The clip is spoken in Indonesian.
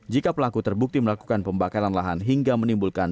jika pelaku terbukti melakukan pembakaran lahan hingga menimbulkan